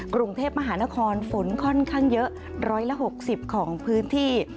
กรุงเทพมหานครฝนค่อนข้างเยอะ๑๖๐ของพื้นที่